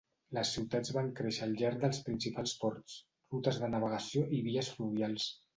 Les ciutats van créixer al llarg dels principals ports, rutes de navegació i vies fluvials.